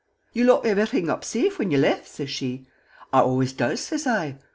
"'Ye locked everything up safe whin ye left?' sez she. "'I always does,' sez I.